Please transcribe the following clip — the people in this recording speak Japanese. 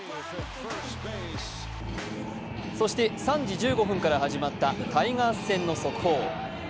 そして、３時１５分から始まったタイガース戦の速報。